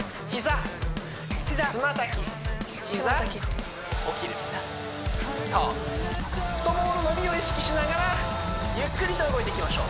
膝爪先膝起きるそう太モモの伸びを意識しながらゆっくりと動いていきましょう